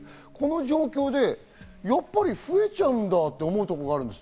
この状況でやっぱり増えちゃうんだって思うところがあるんです。